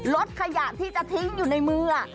รถขยะที่จะทิ้งอยู่ในมือ